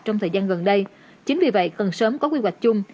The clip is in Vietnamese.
trong thời gian gần đây chính vì vậy cần sớm có quy hoạch chung